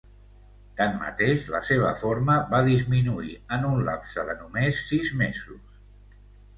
Tanmateix, la seva forma va disminuir en un lapse de només sis mesos.